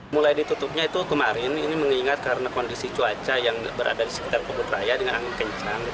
mulai ditutupnya itu kemarin ini mengingat karena kondisi cuaca yang berada di sekitar kebun raya dengan angin kencang